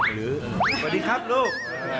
หรือสวัสดีครับลูก